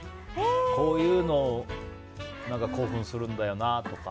こういうの興奮するんだよなとか。